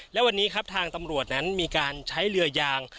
และวันนี้ครับทางตำรวจนั้นมีการใช้เรือยาง